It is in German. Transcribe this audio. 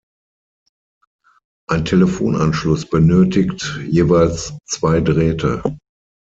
Ein Telefonanschluss benötigt jeweils zwei Drähte.